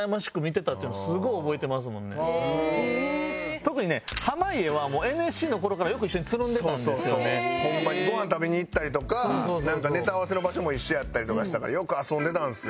特にねホンマにご飯食べに行ったりとかネタ合わせの場所も一緒やったりとかしたからよく遊んでたんですよ。